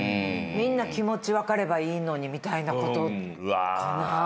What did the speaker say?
「みんな気持ち分かればいいのに」みたいなことかな？